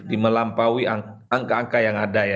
dimelampaui angka angka yang ada ya